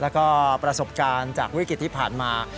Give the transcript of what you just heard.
แล้วก็ประสบการณ์จากวิกฤตที่ผ่านมา